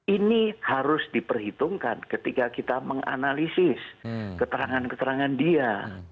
ini harus diperhitungkan ketika kita menganalisis keterangan keterangan dia